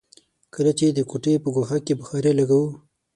کله چې د کوټې په ګوښه کې بخارۍ لګوو.